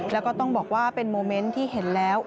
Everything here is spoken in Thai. แล้วก็ต้องบอกว่าเป็นโมเมนต์ที่เห็นแล้ว